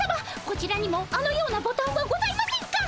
こちらにもあのようなボタンはございませんか？